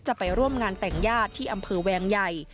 จะไปร่วมงานแต่งญาติที่อำเภอแวงใหญ่